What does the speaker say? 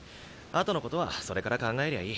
後のことはそれから考えりゃいい。